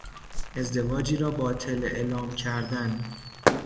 ازدواجی را باطل اعلام کردن